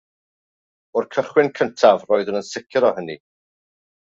O'r cychwyn cyntaf roeddwn yn sicr o hynny.